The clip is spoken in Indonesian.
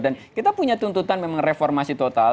dan kita punya tuntutan memang reformasi total